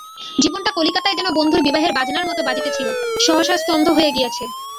জীবনটা কলিকাতায় যেন বন্ধুর বিবাহের বাজনার মতো বাজিতেছিল, সহসা স্বন্ধ হইয়া গিয়াছে।